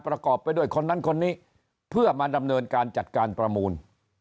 ประกอบไปด้วยคนนั้นคนนี้เพื่อมาดำเนินการจัดการประมูล